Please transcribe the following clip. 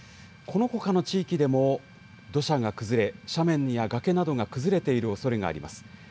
このほかの地域でも土砂が崩れ、斜面や崖などが崩れているおそれがあります。